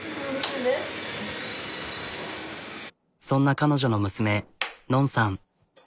そんな彼女の娘暖さん。